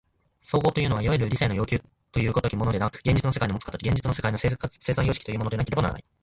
綜合というのはいわゆる理性の要求という如きものではなく、現実の世界のもつ形、現実の世界の生産様式というものでなければならない。